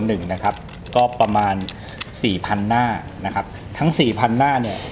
หนึ่งนะครับก็ประมาณสี่พันหน้านะครับทั้งสี่พันหน้าเนี่ย